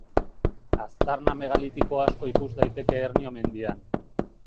Aztarna megalitiko asko ikus daiteke Hernio mendian.